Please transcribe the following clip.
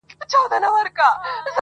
د رنځونو ورته مخ صورت پمن سو!